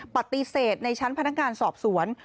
ปฏิเสธในชั้นพนักงานสอบสวน